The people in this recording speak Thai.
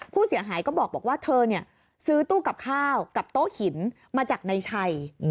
ผู้เสียหายก็บอกว่าเธอซื้อตู้กับข้าวกับโต๊ะหินมาจากนายชัย